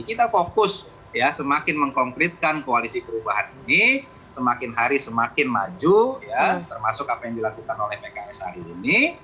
kita fokus ya semakin mengkonkretkan koalisi perubahan ini semakin hari semakin maju ya termasuk apa yang dilakukan oleh pks hari ini